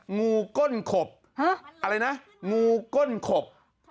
งูก้นขบอะไรนะงูก้นขบ